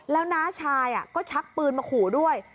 แล้วน้าชายก็ชักปืนมาขู่ด้วย